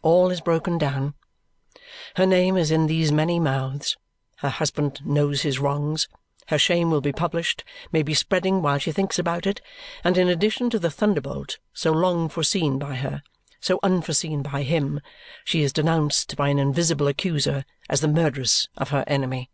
All is broken down. Her name is in these many mouths, her husband knows his wrongs, her shame will be published may be spreading while she thinks about it and in addition to the thunderbolt so long foreseen by her, so unforeseen by him, she is denounced by an invisible accuser as the murderess of her enemy.